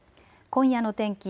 今夜の天気。